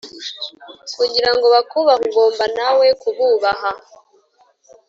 kugira ngo bakubahe ugomba nawe kububaha